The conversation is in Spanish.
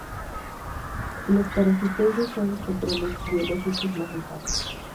Los parasitoides son los controles biológicos más usados.